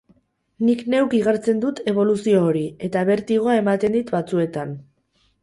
Nik neuk igartzen dut eboluzio hori, eta bertigoa ematen dit batzuetan.